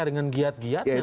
dengan giat giatnya sekarang